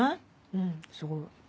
うんすごい。